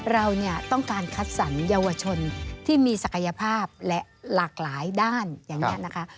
เราเนี่ยต้องการคัดสรรเยาวชนที่มีศักยภาพและหลากหลายด้านอย่างนี้นะคะ